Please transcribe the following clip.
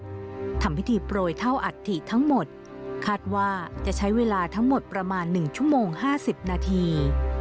ทำพิธีโปรยเท่าอัฐิทั้งหมดคาดว่าจะใช้เวลาทั้งหมดประมาณ๑ชั่วโมง๕๐นาที